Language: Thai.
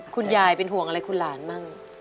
คุณยายเป็นห่วงอะไรคุณหลานบ้าง